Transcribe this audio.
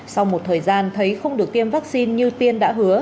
sau một thời gian thấy không được tiêm vaccine như tiên đã hứa